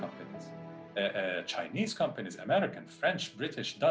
perusahaan cina amerika perancis british jawa